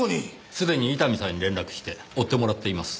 すでに伊丹さんに連絡して追ってもらっています。